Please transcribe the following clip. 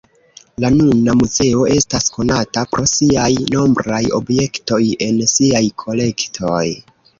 La nuna muzeo estas konata pro siaj nombraj objektoj en siaj kolektoj.